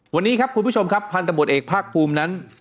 วันนี้ครับคุณผู้ชมครับพันธบทเอกภาคภูมินั้น